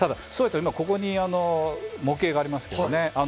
ここに今、模型がありますけどね。